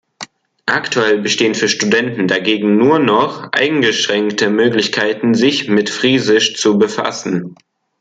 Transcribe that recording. Aktuell bestehen für Studenten dagegen nur noch eingeschränkte Möglichkeiten, sich mit Friesisch zu befassen.